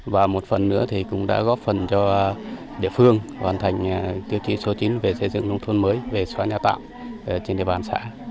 và một phần nữa thì cũng đã góp phần cho địa phương hoàn thành tiêu chí số chín về xây dựng nông thôn mới về xóa nhà tạm trên địa bàn xã